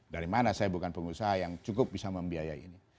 dari mana saya bukan pengusaha yang cukup bisa membiayai ini